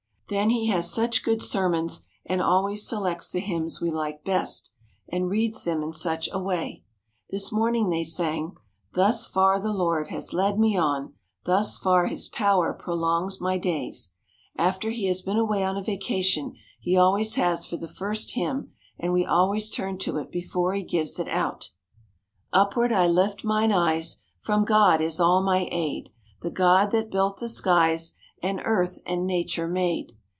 Then he has such good sermons, and always selects the hymns we like best, and reads them in such a way. This morning they sang: "Thus far the Lord has led me on, thus far His power prolongs my days." After he has been away on a vacation he always has for the first hymn, and we always turn to it before he gives it out: "Upward I lift mine eyes, From God is all my aid; The God that built the skies, And earth and nature made.